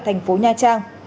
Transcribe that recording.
thành phố nha trang